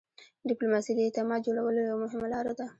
ډيپلوماسي د اعتماد جوړولو یوه مهمه لار ده.